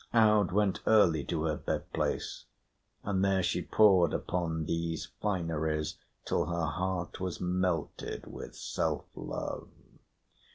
Aud went early to her bed place, and there she pored upon these fineries till her heart was melted with self love.